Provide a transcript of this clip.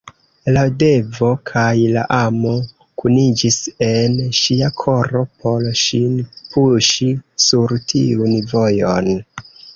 La devo kaj la amo kuniĝis en ŝia koro por ŝin puŝi sur tiun vojon.